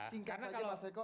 singkat saja mas eko